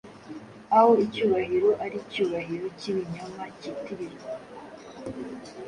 Aho icyubahiro ari icyubahiro cyibinyoma, cyitirirwa